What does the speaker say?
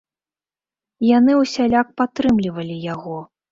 Яны ўсяляк падтрымлівалі яго.